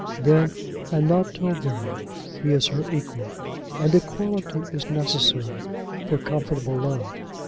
Then, and not till then, he is her equal; and equality is necessary for comfortable love.